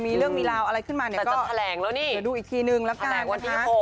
มีเรื่องมีลาวอะไรขึ้นมาเนี่ยนะคะ